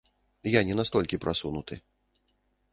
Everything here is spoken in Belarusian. Я не настолькі прасунуты.